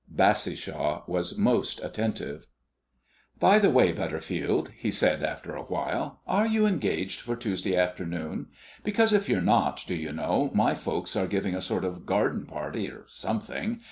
Bassishaw was most attentive. "By the way, Butterfield," he said after a while, "are you engaged for Tuesday afternoon? Because if you're not, do you know, my folks are giving a sort of garden party, or something.